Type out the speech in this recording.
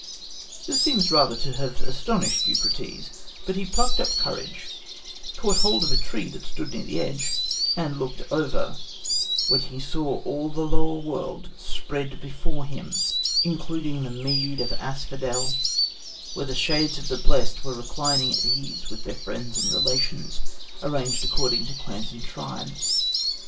This seems rather to have astonished Eucrates; but he plucked up courage, caught hold of a tree that stood near the edge, and looked over, when he saw all the lower world lying spread before him, including the mead of asphodel, where the shades of the blessed were reclining at ease with their friends and relations, arranged according to clans and tribes.